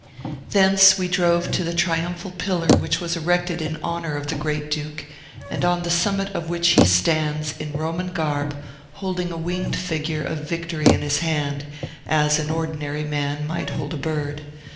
Thence we drove to the Triumphal Pillar which was erected in honor of the Great Duke, and on the summit of which he stands, in a Roman garb, holding a winged figure of Victory in his hand, as an ordinary man might hold a bird.